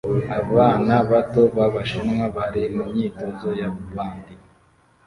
abana bato b'Abashinwa bari mu myitozo ya band